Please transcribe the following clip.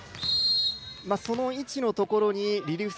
その位置のところにリリーフ